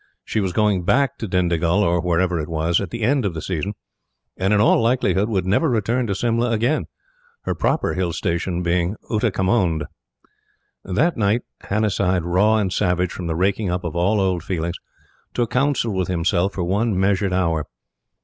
She was going back to Dindigul, or wherever it was, at the end of the season; and in all likelihood would never return to Simla again, her proper Hill station being Ootacamund. That night, Hannasyde, raw and savage from the raking up of all old feelings, took counsel with himself for one measured hour.